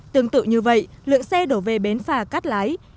tương tự như vậy lượng xe đổ về bến phà cắt lái